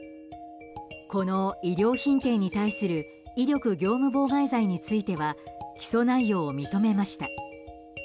この衣料品店に対する威力業務妨害罪については起訴内容を認めました。